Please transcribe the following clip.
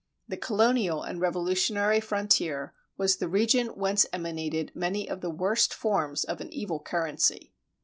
The colonial and revolutionary frontier was the region whence emanated many of the worst forms of an evil currency.